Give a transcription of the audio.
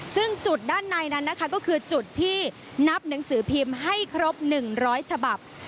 ซึ่งจุดด้านในนั้นนะคะก็คือจุดที่นับหนังสือพิมพ์ให้ครบ๑๐๐ฉบับ